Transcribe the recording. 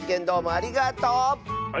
ありがとう！